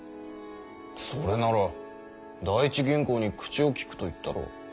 それなら第一銀行に口をきくと言ったろう。